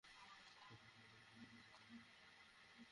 আমি যদি ওর সাথে কথা বলি, ও আরও দুজন বাচ্চাকে ছেড়ে দিবে।